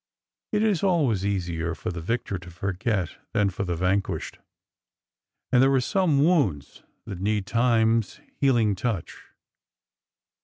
'' It is always easier for the victor to forget than for the vanquished, and there are some wounds that need time's healing touch.